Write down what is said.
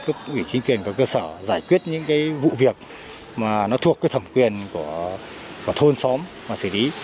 phối hợp với cả cấp ủy chính quyền và cơ sở giải quyết những cái vụ việc mà nó thuộc cái thẩm quyền của thôn xóm mà xử lý